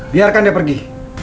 biarkan dia pergi